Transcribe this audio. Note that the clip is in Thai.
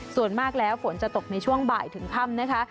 ส่วนมากแล้วฝนจะตกในช่วงบ่ายถึงค่ำนะคะ